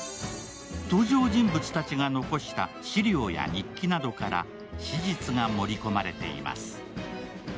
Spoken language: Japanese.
登場人物たちが残した資料や日記などから史実が盛り込まれています。